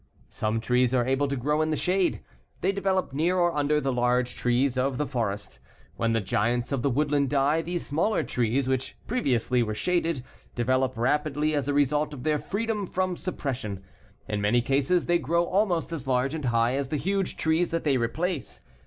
Some trees are able to grow in the shade. They develop near or under the large trees of the forest. When the giants of the woodland die, these smaller trees, which previously were shaded, develop rapidly as a result of their freedom from suppression. In many cases they grow almost as large and high as the huge trees that they replace.